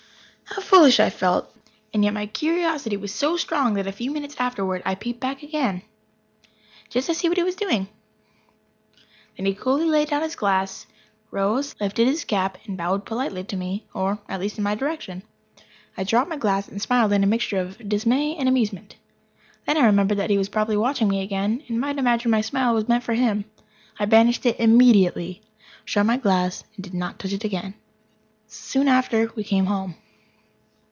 How foolish I felt! And yet my curiosity was so strong that a few minutes afterward I peeped back again, just to see what he was doing. Then he coolly laid down his glass, rose, lifted his cap and bowed politely to me or, at least, in my direction. I dropped my glass and smiled in a mixture of dismay and amusement. Then I remembered that he was probably watching me again, and might imagine my smile was meant for him. I banished it immediately, shut my glass up and did not touch it again. Soon after we came home.